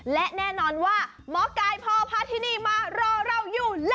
และแน่นอนว่าหมอกายพ่อพาที่นี่มารอเราอยู่